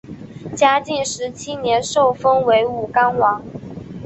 嘉靖十七年受封为武冈王。